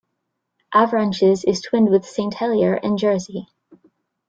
Avranches is twinned with Saint Helier in Jersey.